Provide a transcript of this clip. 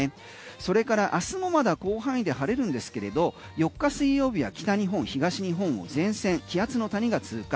それから明日もまだ広範囲で晴れるんですけれど４日水曜日は北日本、東日本を前線気圧の谷が通過。